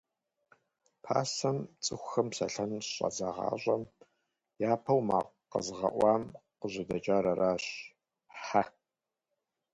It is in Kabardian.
Пасэм, цӀыхухэм псэлъэн щыщӀадзагъащӀэм, япэу макъ къэзыгъэӀуам къыжьэдэкӀар аращ – Хьэ.